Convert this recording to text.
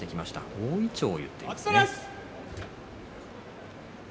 大いちょうを結っていますね。